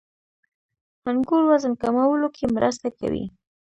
• انګور وزن کمولو کې مرسته کوي.